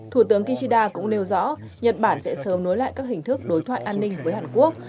thủ tướng kishida cũng nêu rõ nhật bản sẽ sớm nối lại các hình thức đối thoại an ninh với hàn quốc